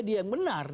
dia yang benar